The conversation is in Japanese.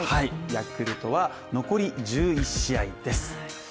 ヤクルトは残り１１試合です。